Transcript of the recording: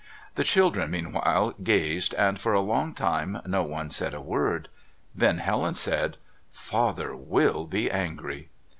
The children meanwhile gazed, and for a long time no one said a word. Then Helen said: "Father WILL be angry."